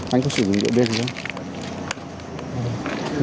anh có sử dụng địa bên không nhé